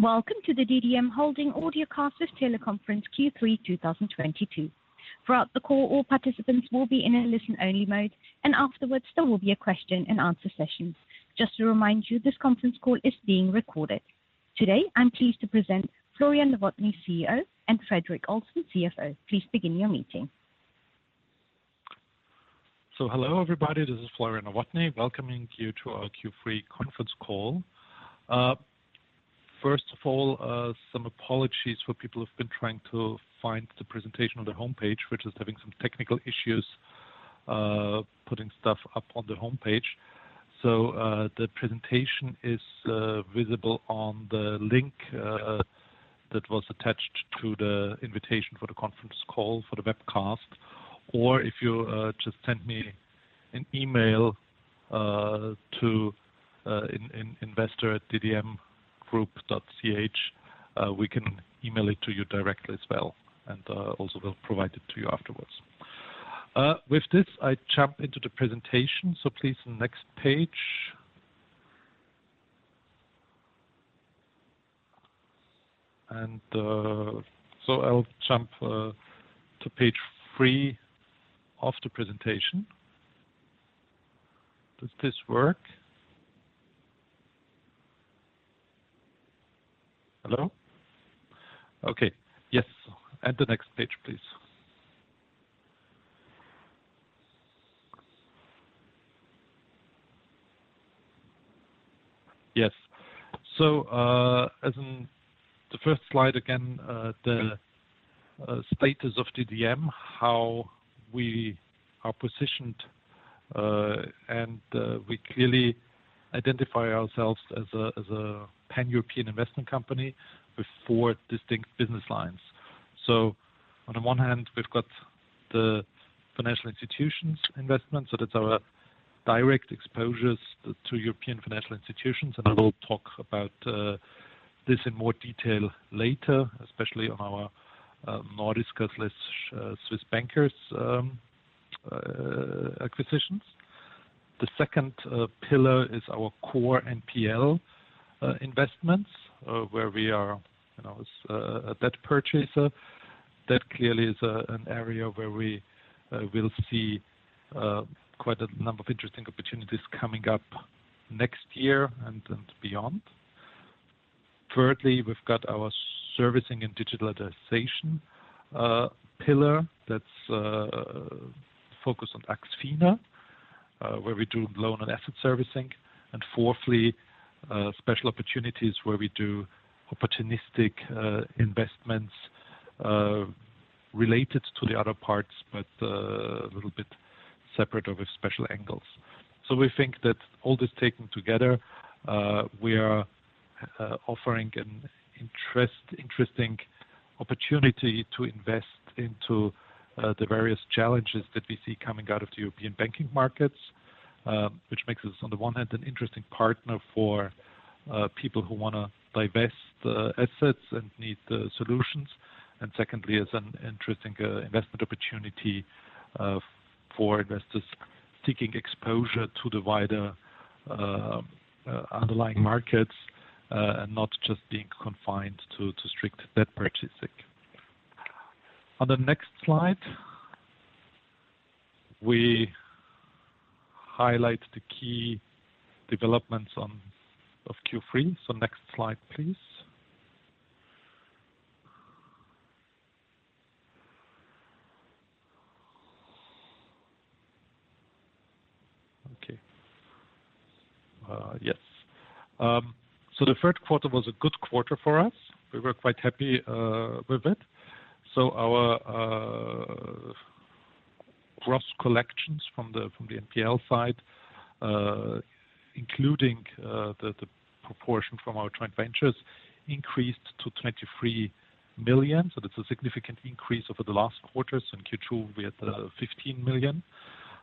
Welcome to the DDM Holding Audiocast with Teleconference Q3 2022. Throughout the call, all participants will be in a listen-only mode, and afterwards, there will be a question-and-answer session. Just to remind you, this conference call is being recorded. Today, I'm pleased to present Florian Novotny, CEO, and Fredrik Olsson, CFO. Please begin your meeting. Hello, everybody. This is Florian Novotny welcoming you to our Q3 Conference Call. First of all, some apologies for people who've been trying to find the presentation on the homepage, which is having some technical issues, putting stuff up on the homepage. The presentation is visible on the link that was attached to the invitation for the conference call for the webcast. If you just send me an email to investor@ddmgroup.ch, we can email it to you directly as well, and also we'll provide it to you afterwards. With this, I jump into the presentation, so please next page. I'll jump to page three of the presentation. As in the first slide, again, the status of DDM, how we are positioned, and we clearly identify ourselves as a Pan-European investment company with four distinct business lines. On the one hand, we've got the financial institutions investment. That's our direct exposures to European financial institutions. I will talk about this in more detail later, especially on our Nordiska slash Swiss Bankers acquisitions. The second pillar is our core NPL investments, where we are, you know, as a debt purchaser. That clearly is an area where we will see quite a number of interesting opportunities coming up next year and beyond. Thirdly, we've got our servicing and digitalization pillar that's focused on AxFina, where we do loan and asset servicing. Fourthly, special opportunities where we do opportunistic investments, related to the other parts, but a little bit separate or with special angles. We think that all this taken together, we are offering an interesting opportunity to invest into the various challenges that we see coming out of the European banking markets, which makes us, on the one hand, an interesting partner for people who wanna divest assets and need the solutions. Secondly, as an interesting investment opportunity, for investors seeking exposure to the wider underlying markets, and not just being confined to strict debt purchasing. On the next slide, we highlight the key developments of Q3. Next slide, please. Okay. Yes. The third quarter was a good quarter for us. We were quite happy with it. Our gross collections from the NPL side, including the proportion from our joint ventures, increased to 23 million. That's a significant increase over the last quarters. In Q2, we had 15 million.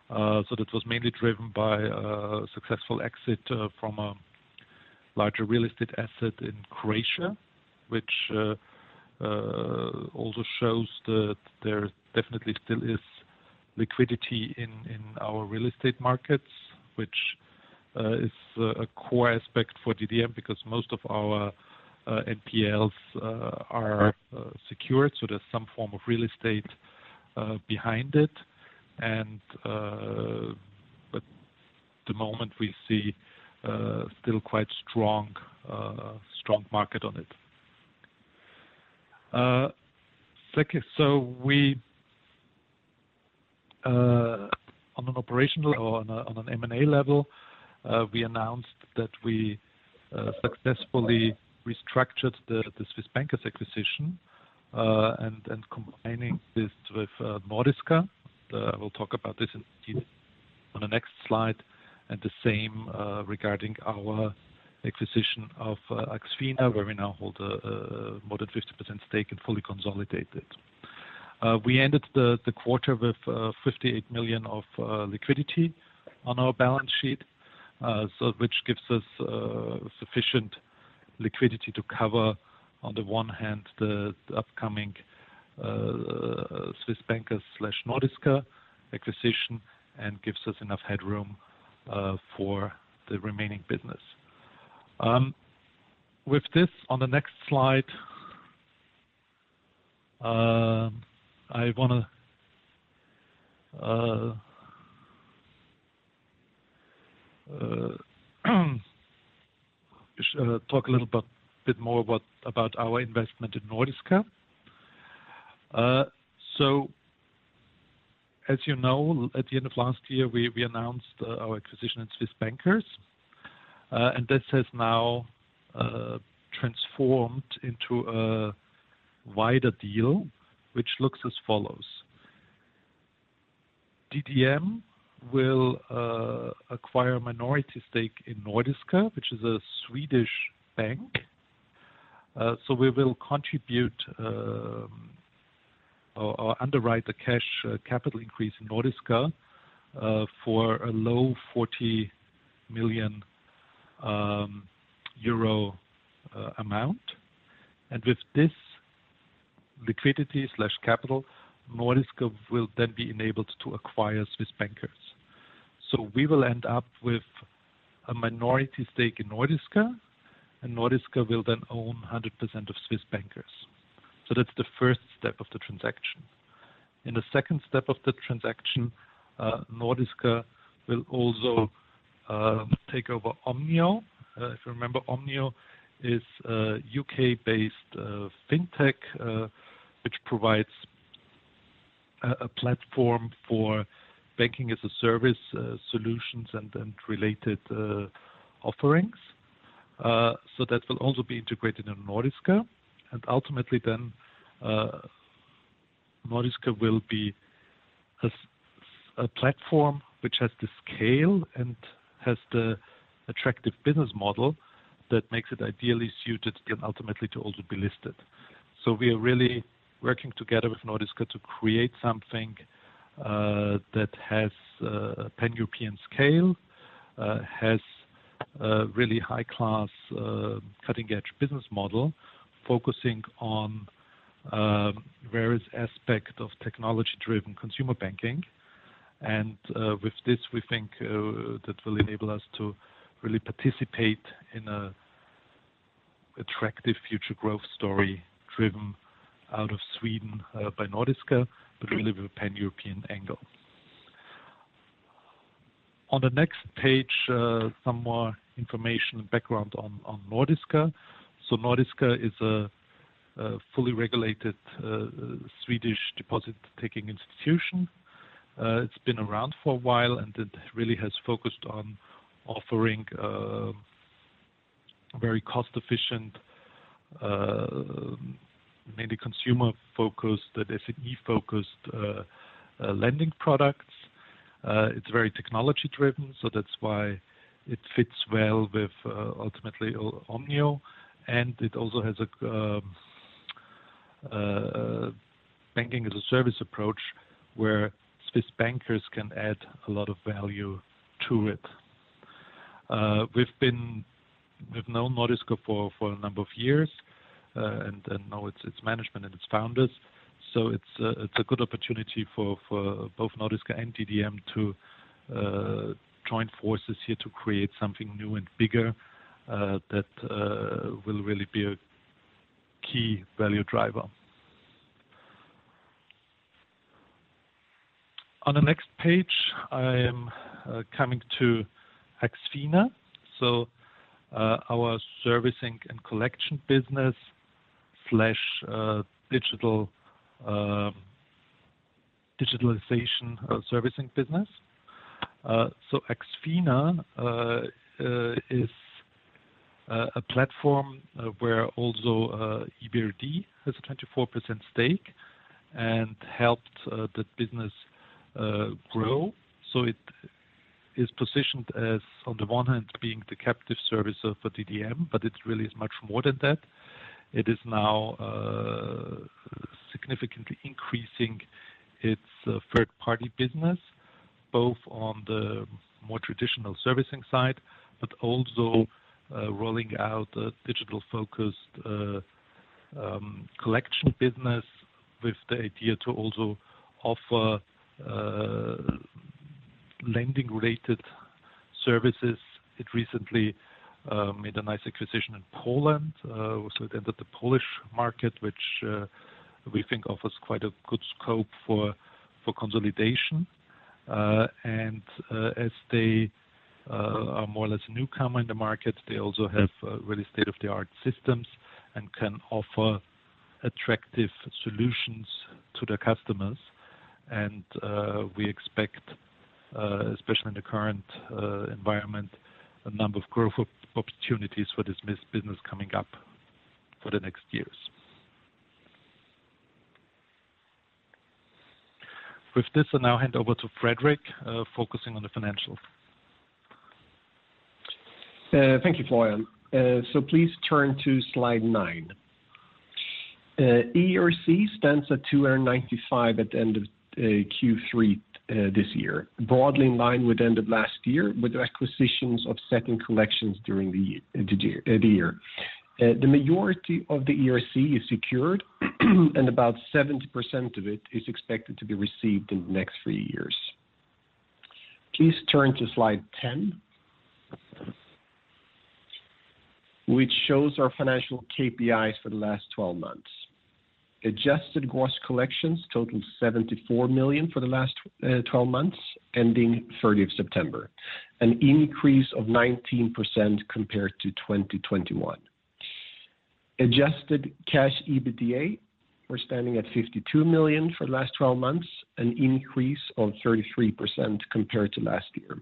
That was mainly driven by a successful exit from a larger real estate asset in Croatia, which also shows that there definitely still is liquidity in our real estate markets, which is a core aspect for DDM because most of our NPLs are secured, so there's some form of real estate behind it. The moment we see still quite strong market on it. On an operational or on an M&A level, we announced that we successfully restructured the Swiss Bankers acquisition and combining this with Nordiska. We'll talk about this on the next slide. The same regarding our acquisition of AxFina, where we now hold a more than 50% stake and fully consolidated. We ended the quarter with 58 million of liquidity on our balance sheet, so which gives us sufficient liquidity to cover, on the one hand, the upcoming Swiss Bankers slash Nordiska acquisition and gives us enough headroom for the remaining business. With this on the next slide, I wanna just talk a bit more about our investment in Nordiska. As you know, at the end of last year, we announced our acquisition in Swiss Bankers, and this has now transformed into a wider deal, which looks as follows. DDM will acquire a minority stake in Nordiska, which is a Swedish bank. We will contribute or underwrite the cash capital increase in Nordiska for a low EUR 40 million amount. With this liquidity/capital, Nordiska will be enabled to acquire Swiss Bankers. We will end up with a minority stake in Nordiska, and Nordiska will own 100% of Swiss Bankers. That's the first step of the transaction. In the second step of the transaction, Nordiska will also take over Omnio. If you remember, Omnio is a UK-based fintech which provides a platform for banking-as-a-service solutions and then related offerings. That will also be integrated in Nordiska. Ultimately, then, Nordiska will be a platform which has the scale and has the attractive business model that makes it ideally suited and ultimately to also be listed. We are really working together with Nordiska to create something that has a pan-European scale, has a really high-class cutting-edge business model focusing on various aspect of technology-driven consumer banking. With this, we think that will enable us to really participate in an attractive future growth story driven out of Sweden by Nordiska, but really with a pan-European angle. On the next page, some more information and background on Nordiska. Nordiska is a fully regulated Swedish deposit-taking institution. It's been around for a while, and it really has focused on offering very cost-efficient, mainly consumer-focused, SME-focused lending products. It's very technology-driven, so that's why it fits well with Omnio. It also has a banking-as-a-service approach where Swiss Bankers can add a lot of value to it. We've known Nordiska for a number of years and know its management and its founders. It's a good opportunity for both Nordiska and DDM to join forces here to create something new and bigger that will really be a key value driver. On the next page, I am coming to AxFina. Our servicing and collection business/digitalization servicing business. AxFina is a platform where EBRD also has a 24% stake and helped the business grow. It is positioned as, on the one hand, being the captive servicer for DDM, but it really is much more than that. It is now significantly increasing its third-party business, both on the more traditional servicing side, and also rolling out a digital-focused collection business with the idea to also offer lending-related services. It recently made a nice acquisition in Poland, so it entered the Polish market, which we think offers quite a good scope for consolidation. As they are more or less newcomer in the market, they also have really state-of-the-art systems and can offer attractive solutions to their customers. We expect, especially in the current environment, a number of growth opportunities for this business coming up for the next few years. With this, I now hand over to Fredrik, focusing on the financials. Thank you, Florian. Please turn to slide nine. ERC stands at 295 million at the end of Q3 this year. Broadly in line with the end of last year, with the acquisitions of Set and Collections during the year. The majority of the ERC is secured, and about 70% of it is expected to be received in the next three years. Please turn to slide 10, which shows our financial KPIs for the last 12 months. Adjusted gross collections totaled 74 million for the last 12 months ending 30 September, an increase of 19% compared to 2021. Adjusted cash EBITDA was standing at 52 million for the last 12 months, an increase of 33% compared to last year.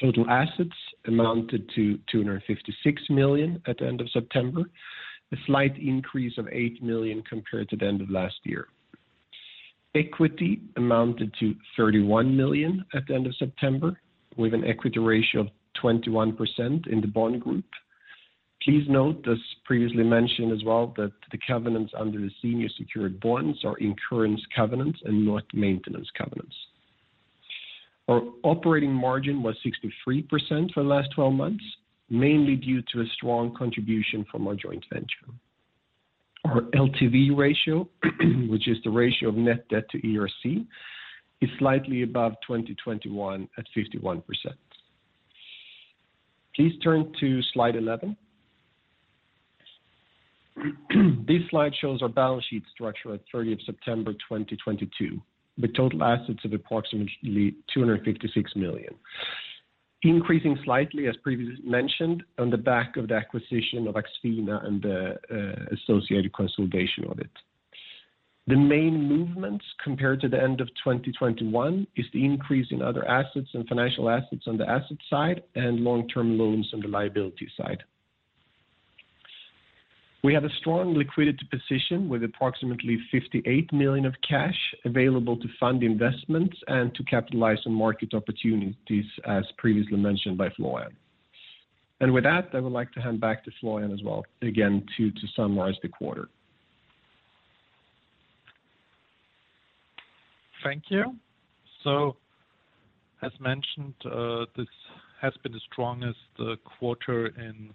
Total assets amounted to 256 million at the end of September, a slight increase of 8 million compared to the end of last year. Equity amounted to 31 million at the end of September, with an equity ratio of 21% in the bond group. Please note, as previously mentioned as well, that the covenants under the senior secured bonds are incurrence covenants and not maintenance covenants. Our operating margin was 63% for the last 12 months, mainly due to a strong contribution from our joint venture. Our LTV ratio, which is the ratio of net debt to ERC, is slightly above 2021 at 51%. Please turn to slide 11. This slide shows our balance sheet structure at 30 of September 2022, with total assets of approximately 256 million. Increasing slightly, as previously mentioned, on the back of the acquisition of AxFina and the associated consolidation of it. The main movements compared to the end of 2021 is the increase in other assets and financial assets on the asset side and long-term loans on the liability side. We have a strong liquidity position with approximately 58 million of cash available to fund investments and to capitalize on market opportunities as previously mentioned by Florian. With that, I would like to hand back to Florian as well, again, to summarize the quarter. Thank you. As mentioned, this has been the strongest quarter in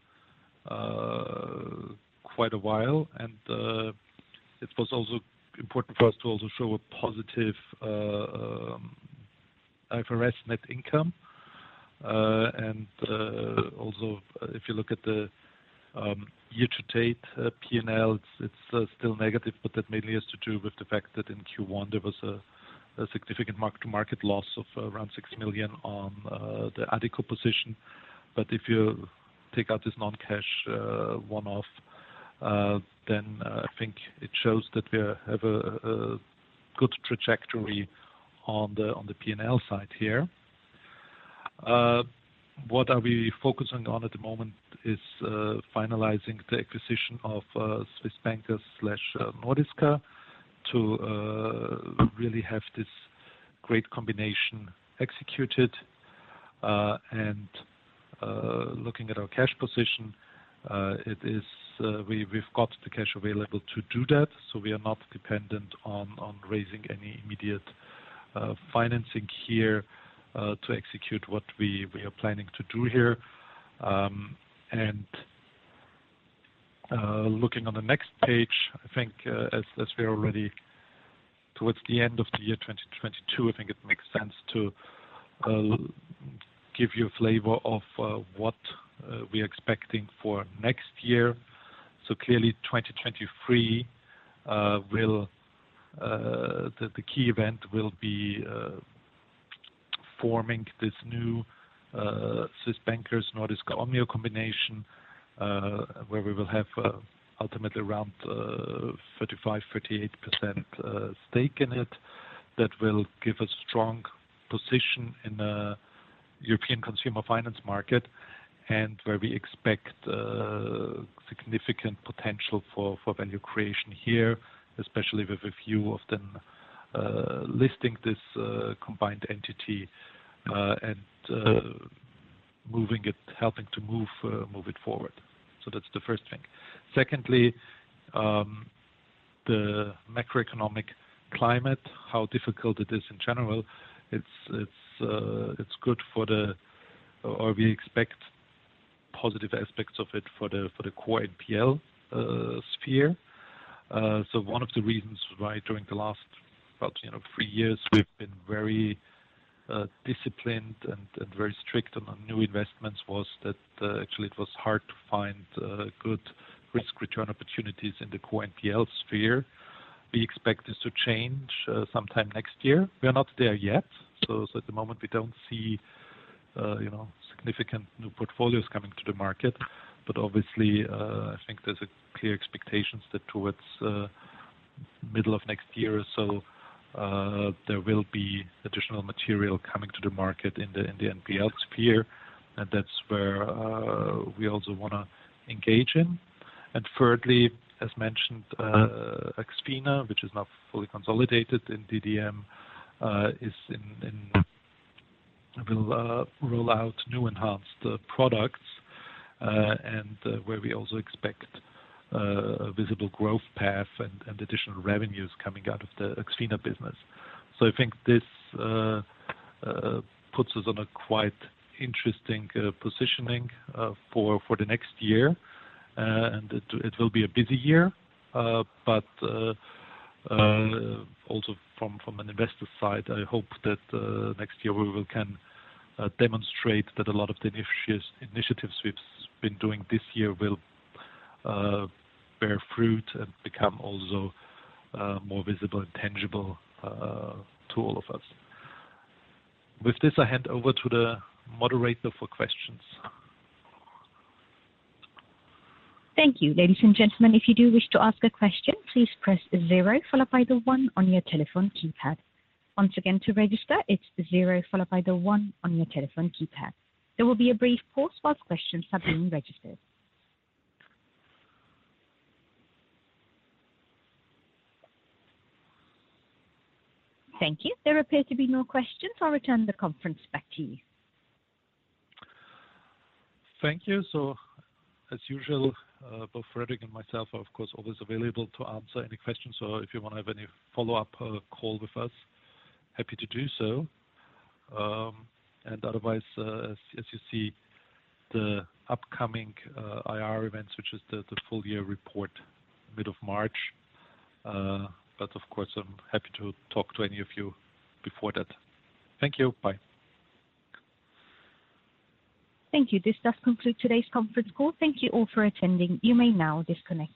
quite a while. It was also important for us to also show a positive IFRS net income. Also if you look at the year-to-date P&L, it's still negative, but that mainly has to do with the fact that in Q1, there was a significant mark-to-market loss of around 6 million on the Adecco position. If you take out this non-cash one-off, then I think it shows that we are have a good trajectory on the P&L side here. What are we focusing on at the moment is finalizing the acquisition of Swiss Bankers Nordiska to really have this great combination executed. Looking at our cash position, we've got the cash available to do that, so we are not dependent on raising any immediate financing here to execute what we are planning to do here. Looking on the next page as we are already towards the end of the year 2022, I think it makes sense to give you a flavor of what we're expecting for next year. Clearly, 2023, the key event will be forming this new Swiss Bankers Nordiska Omnio combination, where we will have ultimately around 35%-38% stake in it. That will give a strong position in the European consumer finance market, where we expect significant potential for value creation here, especially with a view of then listing this combined entity and helping to move it forward. That's the first thing. Secondly, the macroeconomic climate, how difficult it is in general, it's good or we expect positive aspects of it for the core NPL sphere. One of the reasons why during the last, perhaps, you know, three years, we've been very disciplined and very strict on the new investments was that actually it was hard to find good risk-return opportunities in the core NPL sphere. We expect this to change sometime next year. We are not there yet. At the moment we don't see, you know, significant new portfolios coming to the market. Obviously, I think there's a clear expectations that towards middle of next year or so, there will be additional material coming to the market in the NPL sphere, and that's where we also wanna engage in. Thirdly, as mentioned, AxFina, which is not fully consolidated in DDM, will roll out new enhanced products, and where we also expect a visible growth path and additional revenues coming out of the AxFina business. I think this puts us on a quite interesting positioning for the next year. It will be a busy year. But also from an investor side, I hope that next year we can demonstrate that a lot of the initiatives we've been doing this year will bear fruit and become also more visible and tangible to all of us. With this, I hand over to the moderator for questions. Thank you. Ladies and gentlemen, if you do wish to ask a question, please press 0 followed by the one on your telephone keypad. Once again, to register, it's zero followed by the one on your telephone keypad. There will be a brief pause while questions are being registered. Thank you. There appear to be no questions. I'll return the conference back to you. Thank you. As usual, both Fredrik and myself are, of course, always available to answer any questions. If you wanna have any follow-up call with us, happy to do so. Otherwise, as you see the upcoming IR events, which is the full-year report, mid-March. Of course, I'm happy to talk to any of you before that. Thank you. Bye. Thank you. This does conclude today's conference call. Thank you all for attending. You may now disconnect your phones.